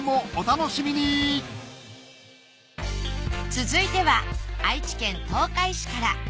続いては愛知県東海市から。